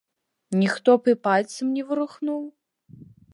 Ніхто б і пальцам не варухнуў?